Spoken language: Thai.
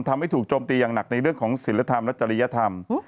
ทำให้ถูกโจมตีอย่างหนักในเรื่องของศิลธรรมและจริยธรรม